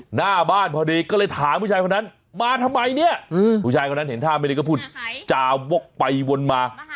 หน้าบ้านพอดีก็เลยถามผู้ชายคนนั้นมาทำไมเนี่ยผู้ชายคนนั้นเห็นท่าไม่ดีก็พูดจาวกไปวนมา